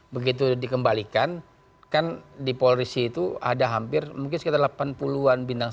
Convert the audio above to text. begitu dikembalikan kan di polri itu ada hampir mungkin sekitar delapan puluh an bintang satu